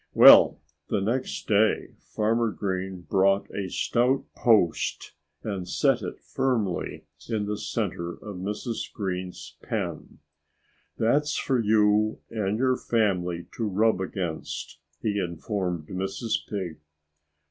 Well, the next day Farmer Green brought a stout post and set it firmly in the center of Mrs. Pig's pen. "That's for you and your family to rub against," he informed Mrs. Pig.